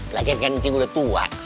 lagian kian cinggu udah tua